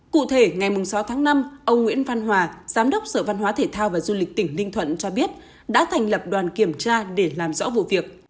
cụ thể ngày sáu tháng năm ông nguyễn văn hòa giám đốc sở văn hóa thể thao và du lịch tỉnh ninh thuận cho biết đã thành lập đoàn kiểm tra để làm rõ vụ việc